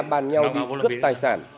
bàn nhau đi cướp tài sản